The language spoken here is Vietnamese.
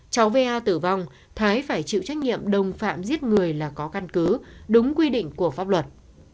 cháu va tử vong thái phải chịu trách nhiệm đồng phạm giết người là có căn cứ đúng quy định của pháp luật